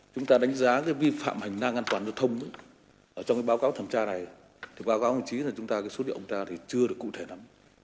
chúng ta đánh giá cái vi phạm hành lang an toàn giao thông trong cái báo cáo thẩm tra này thì báo cáo hồng chí là chúng ta cái số điệu ông ta thì chưa được cụ thể nắm